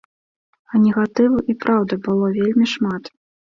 А негатыву, і праўда, было вельмі шмат.